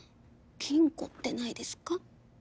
金庫ってないですか？